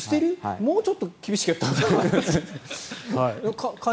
もうちょっと厳しくしたほうが。